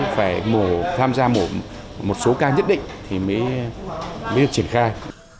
phải tham gia một số ca nhất định thì mới được triển khai